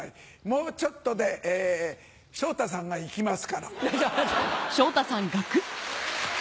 もうちょっとで昇太さんが逝きますから。